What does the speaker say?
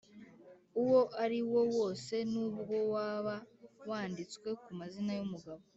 uwo ari wo wose n’ubwo waba wanditswe ku mazina y’umugabo,